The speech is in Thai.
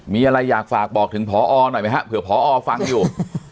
มีอะไรอยากฝากบอกถึงพอหน่อยไหมฮะเผื่อพอฟังอยู่